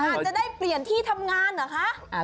อาจจะได้เปลี่ยนที่ทำงานเหรอคะ